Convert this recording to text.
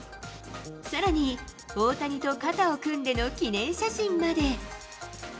さらに、大谷と肩を組んでの記念写真まで。